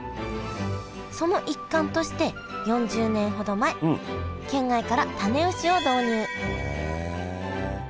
その一環として４０年ほど前県外から種牛を導入へえ。